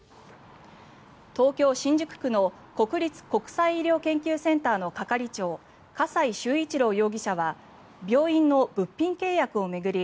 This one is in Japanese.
東京・新宿区の国立国際医療研究センターの係長笠井崇一郎容疑者は病院の物品契約を巡り